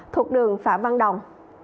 thuộc đường phạm văn đồng